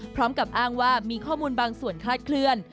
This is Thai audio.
พร้อมกับอ้างว่ามีข้อมูลบางส่วนคลาดเคลื่อน